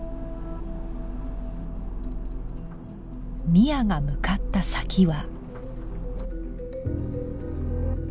深愛が向かった先は